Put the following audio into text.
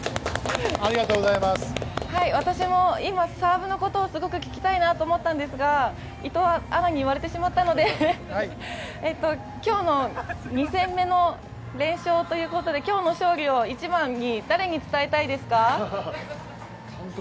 私も今、サーブのことをすごく聞きたいと思ったんですが、伊藤アナに言われてしまったので、今日の２戦目の連勝ということで今日の勝利を一番に誰に伝えたいですか？